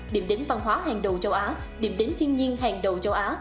điểm đến văn hóa hàng đầu châu á điểm đến thiên nhiên hàng đầu châu á